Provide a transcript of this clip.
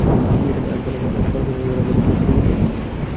আছি ভালো, আজ খাওয়ার জন্য অনেক পাতা আছে, শুরু করবে?